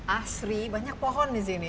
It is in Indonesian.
asri banyak pohon disini